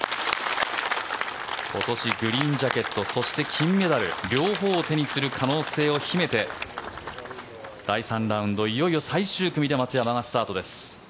今年グリーンジャケットそして金メダル両方を手にする可能性を秘めて第３ラウンドいよいよ最終組で松山がスタートです。